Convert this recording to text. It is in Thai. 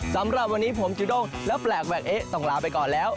สำหรับวันนี้ผมจุด้งและแปลกแวกเอ๊ะต้องลาไปก่อนแล้ว